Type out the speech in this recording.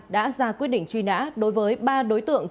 đã ra quyết định truy nã đối với ba đối tượng